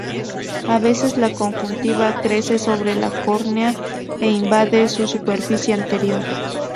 A veces la conjuntiva crece sobre la córnea e invade su superficie anterior.